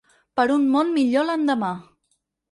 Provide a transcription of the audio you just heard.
Per un món millor l'endemà.